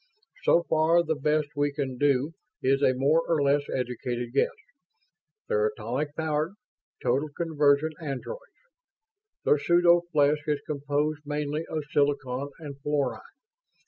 "So far, the best we can do is a more or less educated guess. They're atomic powered, total conversion androids. Their pseudo flesh is composed mainly of silicon and fluorine.